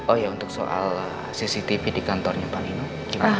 oh ya untuk soal cctv di kantornya pak nino gimana